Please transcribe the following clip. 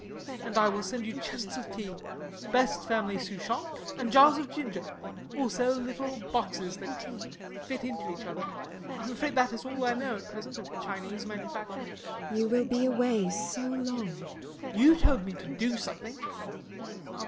And I will send you chests of tea best family Souchong and jars of ginger. Also little boxes that fit into each other. I am afraid that is all I know at present of Chinese manufactures. LADY TORMINSTER. [Musing.] You will be away so long? SIR GEOFFREY. You told me to do something.